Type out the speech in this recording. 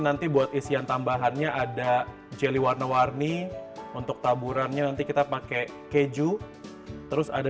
nanti buat isian tambahannya ada jelly warna warni untuk taburannya nanti kita pakai keju terus ada